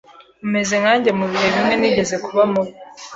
Umeze nkanjye mubihe bimwe nigeze kuba mubi